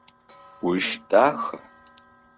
Уиш даха?